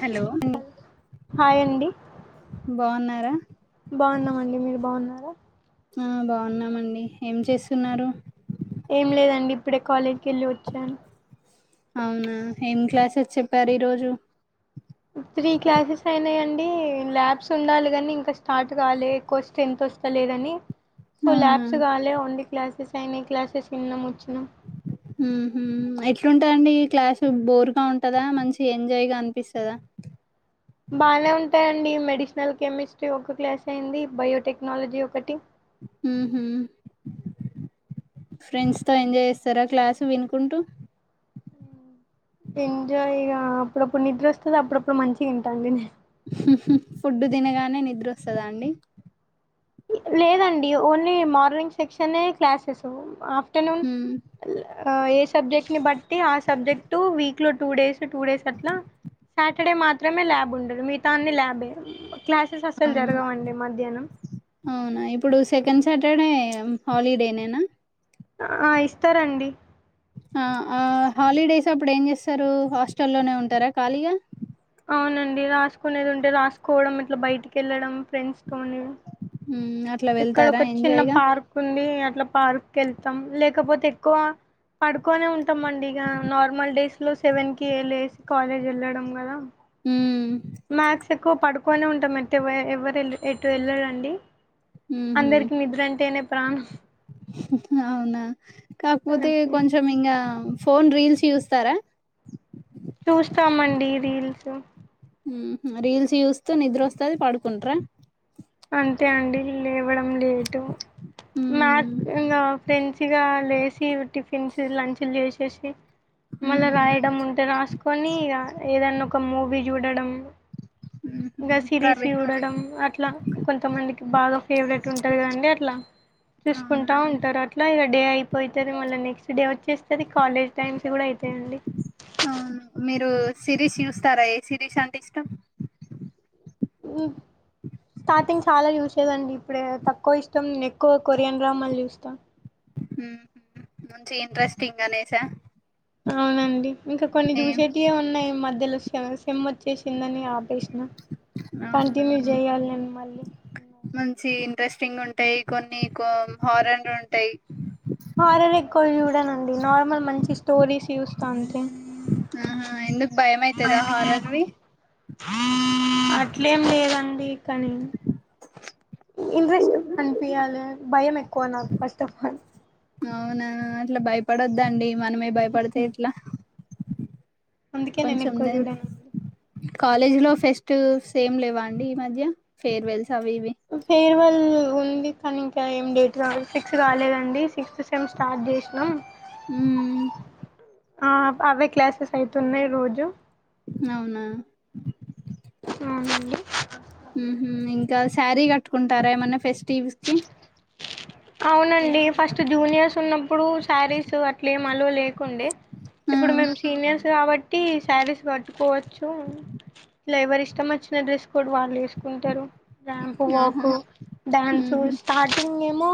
Hello hi అండి బాగున్నారా బాగున్నామండి మీరు బాగున్నారా ఆ బాగున్నామండి ఏం చేస్తున్నారు ఏం లేదండి ఇప్పుడే కాలేజీకి వెళ్ళి వచ్చాను అవునా ఏం క్లాసెస్ చెప్పారు ఈరోజు త్రీ క్లాసెస్ అయినాయి అండి డి ల్యాబ్స్ ఉండాలి కాని ఇంకా స్టార్ట్ కాలే ఎక్కువ స్ట్రెంత్ వస్తలేదని సో అవునా ల్యాబ్స్ కాలే ఓన్లీ క్లాసెస్ అయినాయి క్లాసెస్ ఇన్నాము ఊహుమ్ ఎట్లుంటదండి క్లాసు బోర్ గా ఉంటదా మంచి ఎంజాయ్ గా అనిపిస్తదా బానే ఉంటాయండి మెడిసినల్ కెమిస్ట్రీ ఒక క్లాస్ అయింది బయోటెక్నాలజీ ఒకటి ఊహుం ఫ్రెండ్స్ తో ఎంజాయ్ చేస్తారా క్లాస్ వినుకుంటూ ఎంజాయ్ ఇగ అప్పుడప్పుడు నిద్ర వస్తది అప్పుడప్పుడు మంచిగా ఇంటా అండి నేను హ్మూ హ్మూ ఫుడ్ తినగానే నిద్రొస్తదా అండి లేదండి ఓన్లీ మార్నింగ్ సెక్షనే క్లాసెసు అఫ్ ఆఫ్టర్నూన్ ఉమ్ ల్యాబ్ ఆ ఏ సబ్జెక్ట్ని బట్టి ఆ సబ్జెక్టు వీక్ లో టూ డేస్ టూ డేస్ అట్లా సాటర్డే మాత్రమే ల్యాబ్ ఉండదు మిగతా అన్ని ల్యాబే క్లాసెస్ అస్సలు అవునా జరగవండి మధ్యాహ్నం అవునా ఇప్పుడు సెకండ్ సాటర్డే హాలిడే ననా ఆ ఇస్తారండి ఆ ఆ హాలిడేస్ అప్పుడు ఏం చేస్తారు హాస్టల్లోనే ఉంటారా ఖాళీగా అవునండి రాసుకునేది ఉంటే రాసుకోవడం ఇట్లా బయటికి వెళ్ళడం ఫ్రెండ్స్ తోని ఉమ్ అట్లా ఇక్కడ వెళ్తారా ఒక చిన్న ఎంజాయ్గా పార్క్ ఉంది అట్లా పార్క్ క వెళ్తాం లేకపోతే ఎక్కువ పడుకోనే ఉంటాంమండి ఇక నార్మల్ డేస్ లో సెవెన్ కి వె వేసి కాలేజ్ వెళ్ళడం కదా ఉమ్ మ్యాథ్స్ ఎక్కువ పడుకునే ఉంటాం ఎయితే ఎవరు ఎటు వెళ్ళరండి ఉహు అందరికి నిద్రంటేనే ప్రాణం అవునా కాకపోతే కొంచెం ఇంకా ఫోన్ రీల్స్ చూస్తారా చూస్తామండి రీల్స్ రీల్స్ చూస్తూ నిద్ర వస్తది పడుకుంటార అంతే అండి లేవడం లేటు మాక్ ఉమ్ ఇం ఫ్రెండ్స్గా లేసి టిఫిన్స్ లంచ్లు చేసి వచ్చసి మళ్ళీ ఉమ్ రాయడం ఉంటే రాసుకొని ఇక ఏదన్నా ఒక మూవీ చూడడం ఉహు ఇంకా సిరీస్ ప్రవే చూడడం అట్లా కొంతమందికి బాగా ఫేవరెట్ ఉంటంది కదండీ అట్లా చూసుకుంటా అవునండి ఉంటారు అట్లా ఇక డే అయిపోతేది మళ్ళ నెక్స్ట్ డే వచ్చేస్తంది కాలేజ్ టైమ్స్ కూడా అయితాయండి అవును మీరు సిరీస్ చూస్తారా ఏ సిరీస్ అంటే ఇష్టం స్టార్టింగ్ చాలా యూస్ అదండి ఇప్పుడే తక్కువ ఇష్టం ఎక్కువ కొరియన్ డ్రామాలు చూస్తా మంచి ఇంట్రెస్టింగ్ అనేసా అవునండి ఇంకా కొన్ని ఏం దూసేటియ ఉన్నాయి మధ్యలో సిమ్ వచ్చేసిందని ఆపేసిన అవునా కంటిన్యూ చేయాలి నేను మళ్ళీ మంచి ఇంట్రెస్టింగ్ ఉంటాయి కొన్ని హారన్ ఉంటాయి హారర్ ఎక్కువ చూడనండి నార్మల్ మంచి స్టోరీస్ చూస్తాడి ఆహా ఎందుకు భయం అవుతుదా హారర్వి ఇట్లేం లేదండి కానీ ఇంట్రెస్ట్ అనిపించాలి భయం ఎక్కువ నాకు ఫస్ట్ ఆఫ్ ఆల్ అవునా అట్లా భయపడొద్దండి మనమే భయపడితే ఇట్లా అందుకే నేను ఎక్కువ చూడాను కాలేజ్ లో ఫెస్ట్ సేమ్ లేవా అండి ఈ మధ్య ఫేర్వెల్ ఫేయిర్వెల్ ఉంది కానీ ఇంకా ఏం డేట్ కావదు సిక్స్ రాలేదండి సిక్స్ సేమ్ స్టార్ట్ చేసినాం మ్మ్ ఆ అవే క్లాసెస్ అయితున్నాయి రోజు అవునా అవునండి ఉమ్ ఇంకా శారీ కట్టుకుంటారా ఏమన్నా ఫెస్టివల్స్ కి అవునండి ఫస్ట్ జూనియర్స్ ఉన్న ఇప్పుడు శారీస్ అట్లేం అల్లో లేకుండే ఆ ఇప్పుడు మేము సీనియర్స్ కాబట్టి సారీస్ కట్టుకోవచ్చు ఎవరి ఇష్టం వచ్చిన డ్రెస్ కూడా వాళ్ళు వేసుకుంటారు ర్యాంప్ ఆహా వాక్ డ్యాన్సు ఊహూ స్టార్టింగ్ ఏమో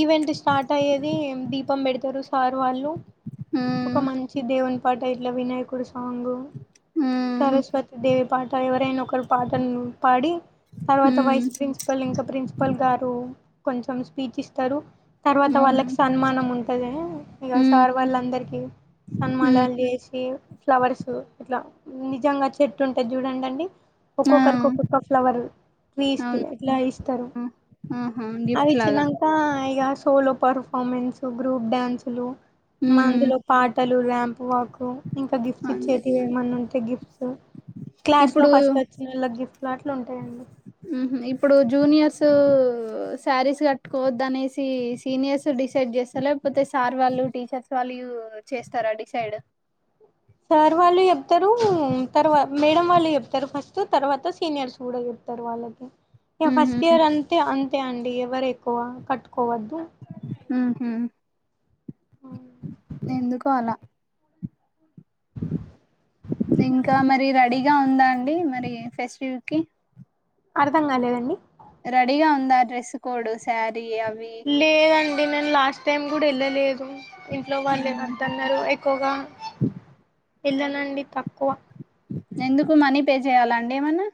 ఈవెంట్ స్టార్ట్ అయ్యేది దీపం పెడతారు సార్ వాళ్ళు ఒక మ్మ్ మంచి దేవుని పాట ఇట్లా వినాయకుడు సాంగ్ మ్మ్ సరస్వతి దేవి పాట ఎవరైనా ఒకరు పాటను పాడి తర్వాత మ్మ్ వైస్ ప్రిన్సిపల్ ఇంకా ప్రిన్సిపల్ గారు కొంచెం స్పీచ్ ఇస్తారు తర్వాత అవునా వాళ్ళకి సన్మానం ఉంటది ఇక మ్మ్ సార్ వాళ్ళందరికి మ్మ్ సన్మాలలు చేసి ఫ్లవర్స్ ఇట్లా నిజంగా చెట్టు ఉంటాయి చూడండి అండి ఆ ఒక్కొక్కరికి ఒక్కొక్క ఫ్లవర్ ట్రీస్ అవును అట్లా ఇస్తారు ఆహా గిఫ్ట్ అవి లాగా చ్చినాక ఇక సోలో పర్ఫార్మెన్సు గ్రూప్ డ్యాన్సులు మ్మ్ మందులో పాటలు ర్యాంప్ వాకు ఇంకా గిఫ్ట్స్ అంతే ఇచ్చేటివి ఏమన్నా ఉంటే గిఫ్ట్స్ క్లాస్ లో ఇప్పుడు ఫస్ట్ వచ్చిన వాళ్ళ గిఫ్ట్ లు అట్లు ఉంటాయండి ఇప్పుడు జూనియర్స్ శారీస్ కట్టుకోవద్ద అనేసి సీనియర్స్ డిసైడ్ చేస్తా లేకపోతే సార్ వాళ్ళు టీచర్స్ వాళ్ళు చేస్తారా డిసైడ్ సార్ వాళ్ళు చెప్తారు తర్వా మేడం వాళ్ళు చెప్తారు ఫస్ట్ తర్వాత సీనియర్స్ కూడా చెప్తారు వాళ్ళకి ఫస్ట్ ఉహు ఇయర్ అంతే అంతే అండి ఎవరు ఎక్కువ కట్టుకోవద్దు ఉ హు ఎందుకో అలా [unintelligible] ఉందా అండి మరి ఫెస్టివల్ కి అర్థం కాలేదండి రెడీగా ఉందా డ్రెస్సు కోడ్ సార [unintelligible] ఇంట్లో వాళ్ళు మ్మ్. వద్దన్నారు ఎక్కువగా ఇలానండి తక్కువ ఎందుకు మనీ పే చేయాలాండి ఏమన్నా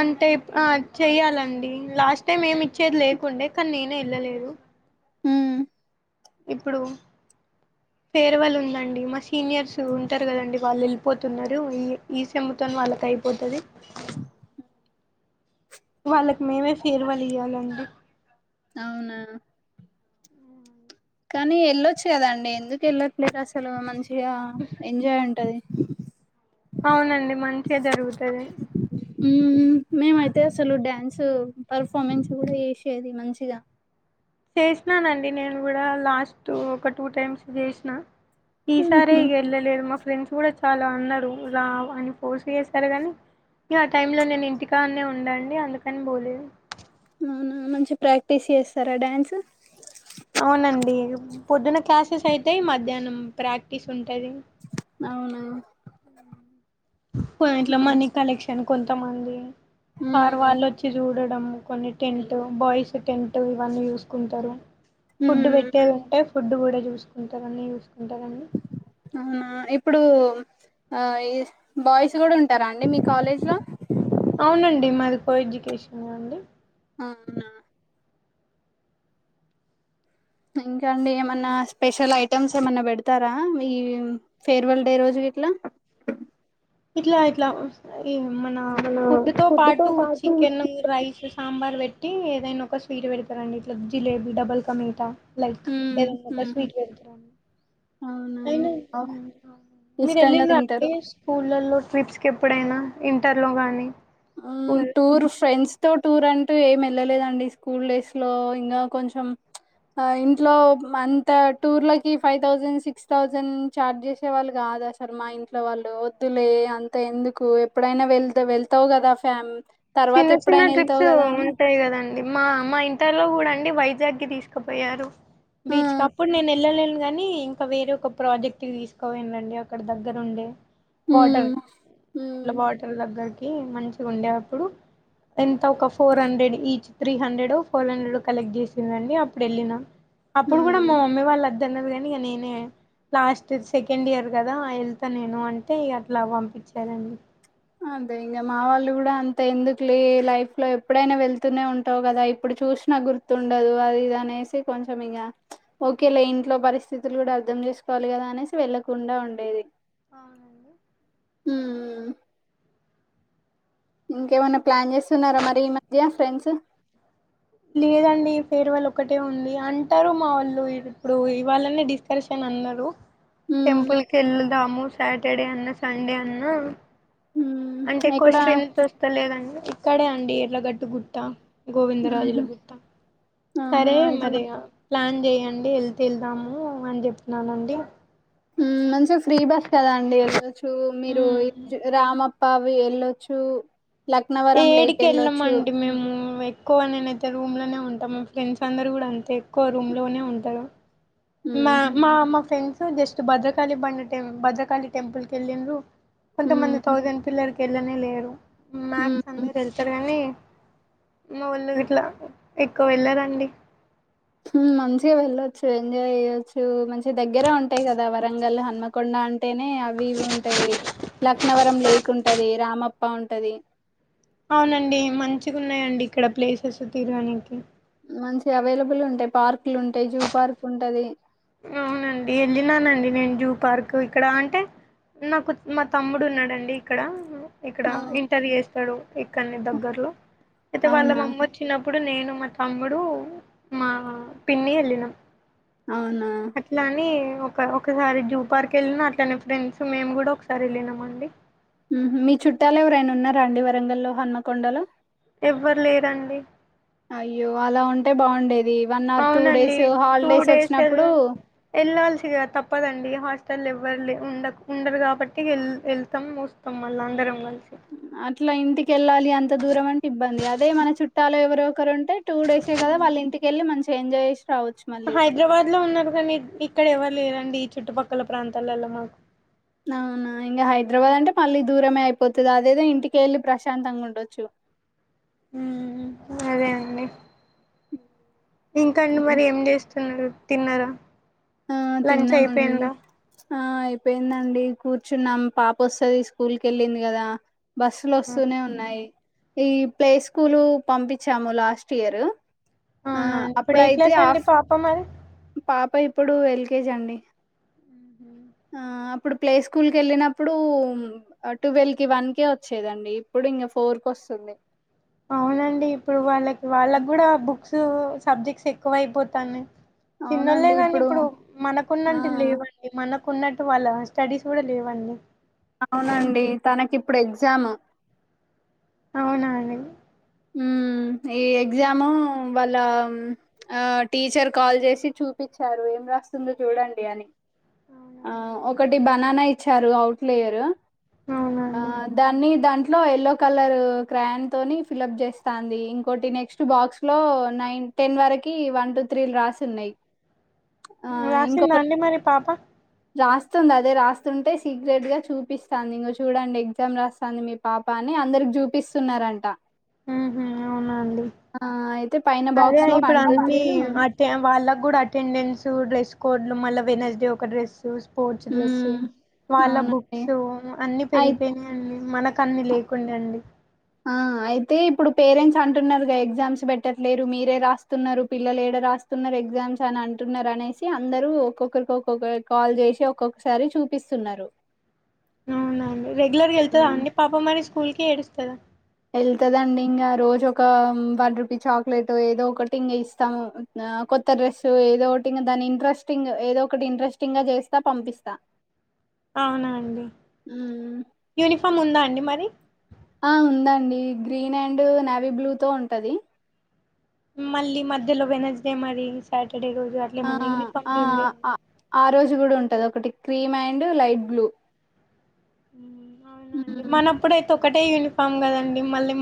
అంటే చెయ్యాలండి లాస్ట్ టైం ఏమి ఇచ్చేది లేకుండే కానీ నేనే వెళ్ళలేదు హు ఇప్పుడు ఫేర్వల్ ఉందండి మా సీనియర్స్ ఉంటారు కదండి వాళ్ళు వెళ్ళిపోతున్నారు ఈ ఈ సముతో వాళ్ళకి అయిపోతుది హ వాళ్ళకు మేమే ఫేర్ వళ ఇయ్యాలండి అవునా కానీ వెళ్ళొచ్చు కద అండి ఎందుకు వెళ్ళట్లేదు అసలు మంచిగా ఎంజాయ్ ఉంటది అవునండి మంచిగా జరుగుతది మేమ అయితే అసలు డ్యాన్స్ పర్ఫార్మెన్స్ కూడా వేసేది మంచిగా చేసినానండి నేను కూడా లాస్ట్ ఒక టూ టైమ్స్ చేసినా ఈసారీ ఉహు ఇగ వెళ్లలేదు ఫ్రెండ్స్ కూడా చాల అన్నారు రా అని పోర్స్ చేసారు గాని ఆ టైమ్ లో నేను ఇంటికానే ఉండండి అందుకని పోలేదు అవునా మంచి ప్రాక్టీస్ చేస్తారా డ్యాన్స్ అవునండి పొద్దున క్లాసెస్ అయితాయి మధ్యాహ్నం ప్రాక్టీస్ ఉంటది అవునా కొ ఇంట్లో మనీ మంచి కలెక్షన్ కొంతమంది సార్ హ్మ్ వాళ్ళు వచ్చి చూడ కొన్ని టెంట్ బాయ్స్ టెంట్ ఇవన్నీ చూసుకుంటారు ఫుడ్ హ్మ్ పెట్టేలా ఉంటాే ఫుడ్ కూడా చూసుకుంటారుని చూ అవునా ఇప్పుడు ఆ బాయ్స్ కూడా ఉంటారా అండి మీ కాలేజ్ లో అవునండి మాది కో ఎడ్యుకేషన్ అండి ఆ అవునా ఇంకా అండి ఏమన్నా స్పెషల్ ఐటమ్స్ ఏమన్నా పెడతారా ఈ ఫేర్వెల్ డే రోజు చెట్లా ఇట్లా ఇట్లా ఈ మన ఫుడ్ తో పాటు చికెన్ రైస్ సాంబార్ పెట్టి ఏదైనా ఒక స్వీట్ పెడతారండి ఇట్లా జిలేబీ డబల్ కమటా లైక్ హ్మ్ ఏదన్నా హు స్వీట్ పెడుకము అవునా అయిన మీరు ఇష్టంగా వెళ్ళిన్రండి తింటారు ట్రిప్స్కి ఎప్పుడైనా ఇంటర్ లో గానీ ఆ టూర్ ఫ్రెండ్స్ తోట్ టూర్ అంటూ ఎమ్ వెళ్ళలేదండి స్కూల్ డేస్ లో ఇంగా కొంచం. ఆ ఇంట్లో మంత టూర్లకి five thousand six thousand charge చేసే వాళ్ళుగా. అదా సార్ మా ఇంట్లో వాళ్ళు వద్దులే అంత ఎందుకు ఎప్పుడైనా వెళ్తే వెళ్తావు కదా ఫ్యామ్ తర్వాత చిన్న చిన్న ఎప్పుడైనా వెళ్తావు ట్రిప్సు కదా అని ఉంటాయి కదండి మా మా ఇంటర్లో కూడా అన్ అండి వైజాగ్కి తీసుకుపోయారు ఆ బీచ్ కి అప్పుడు నేను వెళ్ళలేను గాని ఇంకా వేరే ఒక ప్రాజెక్ట్ తీసుకాపోయిండ్రు అండి అక్కడ దగ్గర ఉండే వాటర్ మ్మ్ మ్మ్ ల వాటర్ దగ్గరకి మంచిగా ఉండ్య [inaudible] ఎంత ఒక ఫోర్ హండ్రెడ్ ఈచ్ త్రీ హండ్రెడో ఫోర్ హండ్రెడో కలెక్ట్ చేసింన్రు అండి అప్పుడు వెళ్ళినా. అప్పుడు కూడా మ్మ్ మా మమ్మీ వాళ్ళు వద్దన్నారు కాని ఇగ నేనే లాస్ట్ సెకండ్ ఇయర్ కదా వెళ్తా నేను అంటే ఇగ అట్లా పంపించరండి. అదే ఇంగ మా వాళ్ళు కూడా అంత ఎందుకులే, లైఫ్ లో ఎప్పుడైనా వెళ్తూనే ఉంటావు కదా ఇప్పుడు చూ చూసిన గుర్తుండదు అది ఇది అనేసీ కొంచం ఇగ ఓకే లే ఇంట్లో పరిస్థితులు కూడా అర్థం చే చేసుకోవాలి కదా అనేసి వెళ్ళకుండా ఉండేది అవునండి ఉమ్ ఇంకేమన్నా ప్లాన్ చేస్తున్నారా మరి ఈ మధ్య ఫ్రెండ్సు. లేదండి ఫేర్వెల్ ఒకటే ఉంది అంటారు మా వాళ్ళు ఇప్పుడు ఇవాళనే డిస్కర్షన్ అన అన్నారు ఉమ్ టెంపుల్ కి వెళదాము సాటర్డే అన్నా సండే అన్నా. అంటే ఉమ్ ఎక్కడ కొషన్స్ వస్తాలేదండి ఇక్కడే అండి ఎడ్లగట్టు గుట్ట ఉహు గోవిందరాజుల గుట్ట ఆహా సరే ఇట్ల మరిగా ప్లాన్ చెయండి వెళ్తే వెళ్దాము అని చెప్నానండి ఉమ్ మంచిగా ఫ్రీ బస్ కదా అండి ఎల్లచ్చు మీరు ఇజ్ రామప్ పవి వెళ్ళొచ్చు లక్నవరం లేక్ యేడికి వెళ్ళొచ్చు వెళ్ళమండి మేము వె కొ నేనైతే రూమ్ లోనే ఉంటా, మా ఫ్రెండ్స్ అందరు కూడా అంతే ఎక్కువ రూమ్ లోనే ఉంటారు. మా ఉహు మా మా ఫ్రెండ్సు జస్ట్ భద్రకాళి బండ టెమ్ భద్రకాళి టెంపుల్కి వెళ్ళిండ్రు. కొంతమంది ఉమ్ థౌసండ్ పిల్లర్కి వెళ్ళనే లేరు మ్యాక్స్ ఉమ్ అందరు వెళ్తారు కానీ. మావోళ్లు ఇట్ల ఎక్కువ వెళ్ళరండి ఉ మంచిగా వెళ్ళొచ్చు ఎంజాయ్ చేయ్యొచ్చు మంచి దగ్గరే ఉంటాయి కదా వరంగల్ హన్మకొండ. అంటేనే అవి ఇవి ఉంటాయ్ లక్నవరం లేక్ ఉంటది రామప్ప ఉంటది అవునండి మంచిగా ఉన్నాయండి ఇక్కడ ప్లేసెస్ తిరగనికి. మంచిగా అవైలబుల్ ఉంటాయి పార్కులు ఉన్ అవునండి యెళ్ళిననండి నేను జూ పార్క్ ఇక్కడ అంటే నాకు మా తమ్ముడు ఉన్నాడండి ఇక్కడ. ఇక్కడ అవును. ఇంటరు చేస్తాడు ఇక్కన్నే దగ్గర్లో అయితే వాళ్ళ అవునా! మమ్మీ వచ్చినప్ ప్పుడు నేను మా తమ్ముడు మా పిన్ని యెళ్ళినమ్ అవునా! అట్లా అని ఒక ఒకసారి జూ పార్క్ వెళ్ళిన అట్లనే ఫ్రెండ్స్ మేము కూడా ఒకసారి వెళ్ళినామండి. ఉహు మీ చుట్టాలు ఎవరైనా ఉన్నారా అండి వరంగల్లో హనుమకొండలో. ఎవ్వరు లేరండి టే బాగుండేది అవునండి టూ డేస్ వెళ్ళా వెళ్ళాల్సిగా తప్పదండి హస్ స్టల్ ఎవ్వరు లే ఉండ ఉండరు కాబట్టి వె వెళ్తాం వస్తాం మళ్ళ అందరం కలిసి. అట్లా ఇంటికెళ్ళాలి అంత దూరం ఒక్కరు ఉంటే టూ డేసే కదా వాళ్ళ ఇంటికిళ్ళి మంచి ఎంజాయ్ చేస్ హైదరాబాద్ లో ఉన్నారు కని ఇక్కడ ఎవర్లేరండి ఈ చుట్టుపక్కల ప్రాంతాలలో మాకు. అవునా ఇంగ హైదరాబాద్ అంటే మళ్ళీ దూరమే అయిపోతది అదేదో ఇంటికే వెళ్ళి ప్రశాంతంగా ఉండొచ్చు. [inaudible] ఉ అదే అండి ఇంకా అండి హ్మ్. మరి ఎమ్ చేస్తున్నారు తిన్నారా ఆ లంచ్ తిన్నామండి అయిపోయిందా ఆ అయిపోయిందండి కూర్చున్నాం పాప వస్తుంది స్కూల్ క వెళ్ళింది కదా బస్సులు వస్తూనే ఉన్నాయి ఈ ప్లే స్కూల్ పంపించాము లాస్ట్ ఇయర్ ఆ అవునండి ఇప్పుడు ఏ అప్పుడయితే క్లాస్ అండి ఆఫ్ పాప మరి పాప ఇప్పుడు ఎల్కేజీ అండి ఆ ఇప్పుడు ప్లే స్కూల్ కి వెళ్ళినప్పుడు ట్వెల్వ్ కి వన్ కే వచ్చేదండి ఇప్పుడు ఇంక ఫోర్ కి వస్త హా అవునండి ఇప్పుడు వాళ్ళకి వాళ్ళకు కూడా బుక్స్ సబ్జెక్ట్స్ ఎక్కువ అయిపోతాను తన్నళ్లే కానీ ఇప్పుడు మనకున్నంటే ఆ లేవండి మన కున్నట్టు వాళ్ళ స్టడీస్ కూడా లేవండి అవునండి తనకి ఇప్పుడు ఎగ్జామ్ అవునాం హ ఈ ఎగ్జామ్ వాళ్ళ ఆ టీచర్ కాల్ చేసి చూపించారు ఏం రాస్తుందో చూడండి అని ఆ అవునండి ఒకటి బనానా ఇచ్చారు అవుట్లేయర్ ఆ అవునండి. దాన్ని దాంట్లో ఎయల్లో కలర్ క్రాన్ తోని ఫిల్ప్ చేస్తాంది ఇంకోటి నెక్స్ట్ బాక్స్ లో నైన్ టెన్ వరకి వన్ టు త్రీలు రాసిన్నాయి్ ఆ రాసిందా ఇంకొకటి అండి మరి పాప రాస్తుంది అదే రాస్తుంటే సీక్రెట్ గా చూపిస్తాంది ఇం చూడండి ఎగ్జామ్ రాస్తాను మీ పాపని అ చూపి ఉహు అవునా అండి అదే ఇప్పుడు అన్న అ వాళ్ళకు కూడా అటెండెన్స్ డ్రెస్ కోడ్ లో మళ్ళ వెనస్డే ఒక డ్రెస్ డ్ర హ్మ్. వాళ్ళ బుక్ అవునండి. అ అయి పెరిపోయినా మ అన్నిీ లేకుండా అండి ఆ అయితే ఇప్పుడు పేరెంట్స్ అంటున్నారుగా ఎగ్జామ్స్ పెట్టట్లేదు మీరే రాస్తున్నారు పిల్లలు రాస్తున్నారు ఎగ్జామ్స్ అని అంటున్నారు అనేసి అందరుూ ఒక్కొక్కరికి ఒక్కొక్క కాల్ చేసి ఒక్కొక్కసారి చూపిస్తున్నారు అవునడి రెగ్యులర్గా వెళ్తుా అండి పాప మరి స్కూల్ కి ఏడుస్తుందా వెళ్తుదండి ఇంకా రోజు ఒక వన్ రూపీ చాక్లెట్ ఏదో ఒకటి ఇంకా ఇస్తాము కొత్త డ్రెస్సు ఏదో ఒకటి దాన్ని ఇంట్రెస్టింగ్ ఏదో ఒకటి ఇంట్రెస్టింగ్ గా చేస్తా పంపిస్తా అవునా అండి హ్మ్. యూనిఫామ్ ఉందా అండి మరి ఆ ఉందండి గ్రీన్ అండ్ నావీ బ్లూ తో ఉంటది మళ్ళీ మధ్యలో వెనజదే మరి స ఆ ఆ ఆ రోజు కూడా ఉంటది ఒకటి క్రీమ్ అండ్ లైట్ బ్లూ అవునండి మనప్పుడుయితే ఒకటే యూనిఫామ్ కదండి మళ్ళీ